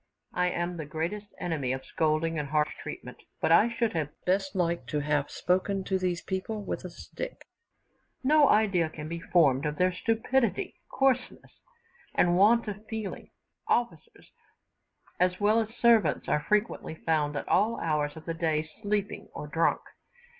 I am the greatest enemy of scolding and harsh treatment; but I should have best liked to have spoken to these people with a stick. No idea can be formed of their stupidity, coarseness, and want of feeling. Officers, as well as servants, are frequently found at all hours of the day sleeping or drunk.